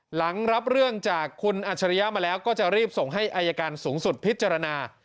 หลังรับเรื่องจากคุณอัจฉริยะมาแล้วก็จะรีบส่งให้อายการสูงสุดพิจารณา